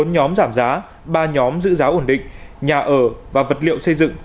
bốn nhóm giảm giá ba nhóm giữ giá ổn định nhà ở và vật liệu xây dựng